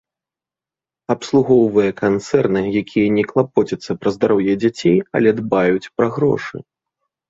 Абслугоўвае канцэрны, якія не клапоцяцца пра здароўе дзяцей, але дбаюць пра грошы.